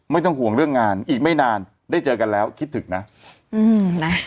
ไม่ต้องห่วงเรื่องงานอีกไม่นานได้เจอกันแล้วคิดถึงนะอืมนะ